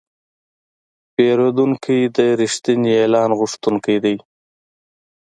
پیرودونکی د رښتیني اعلان غوښتونکی دی.